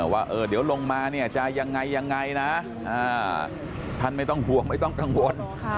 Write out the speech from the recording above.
ว่าเดี๋ยวลงมาเนี่ยจะยังไงยังไงนะท่านไม่ต้องห่วงไม่ต้องกังวล